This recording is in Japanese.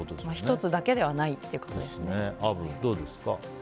１つだけではないということですね。